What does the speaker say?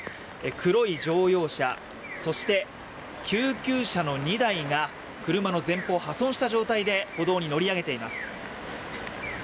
黒い乗用車そして救急車の２台が車の前方、破損した状態で歩道に乗り上げています。